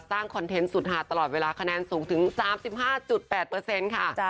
คอนเทนต์สุดหาตลอดเวลาคะแนนสูงถึง๓๕๘ค่ะ